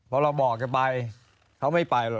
พอเราบอกจะไปเขาไม่ไปหรอก